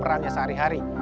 dan perannya sehari hari